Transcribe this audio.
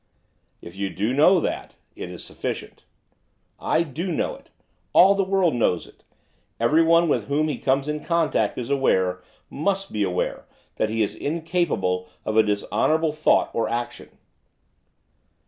'If you do know that, it is sufficient.' 'I do know it, all the world knows it. Everyone with whom he comes in contact is aware must be aware, that he is incapable of a dishonourable thought or action.